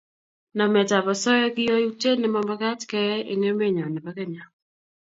Nametab osoya kiyoutiet ne mamagat keyai eng emenyo nebo Kenya